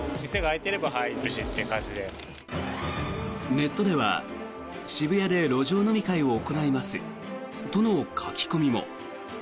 ネットでは渋谷で路上飲み会を行いますとの書き込みも。